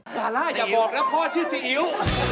ซาร่าอย่าบอกนะพ่อชื่อซีอิ๊ว